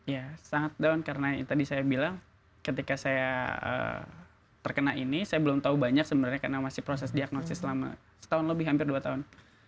ya sangat down karena tadi saya bilang ketika saya terkena ini saya belum tahu banyak sebenarnya karena masih proses diagnosis selama setahun lebih hampir dua tahun